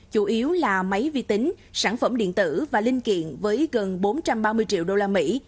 chủ yếu là máy vi tính sản phẩm điện tử và linh kiện với gần bốn trăm ba mươi triệu đô la mỹ